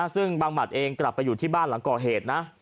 ซึ่งบังหมัดเองกลับไปอยู่ที่บ้านหลังก่อเหตุนะ